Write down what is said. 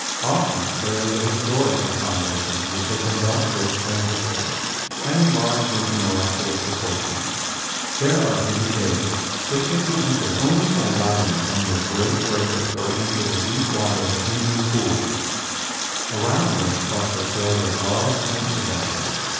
Often there is a historical foundation which has been dealt with fancifully and enlarged into miraculous propor¬ tions. There are hidden caves, which can be entered only by diving under the great breakers or into the deep waters of inland pools, around which cluster tales of love and adventure.